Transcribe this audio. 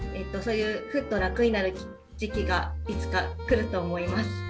そういうふっと楽になる時期がいつか来ると思います。